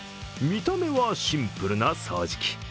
見た目はシンプルな掃除機。